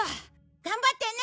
頑張ってね